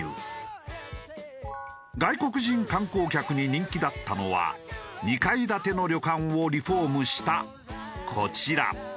外国人観光客に人気だったのは２階建ての旅館をリフォームしたこちら。